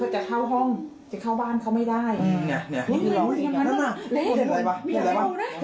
จริงบอกว่านั้นแหละสะสะสิหัว